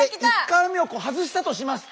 １回目を外したとします。